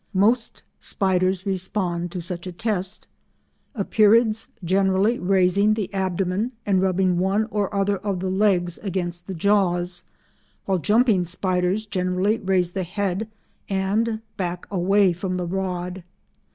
Most spiders respond to such a test, Epeirids generally raising the abdomen, and rubbing one or other of the legs against the jaws, while jumping spiders generally raise the head and back away from the rod.